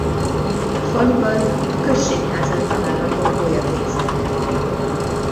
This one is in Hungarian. A faluban a községházán található gólyafészek.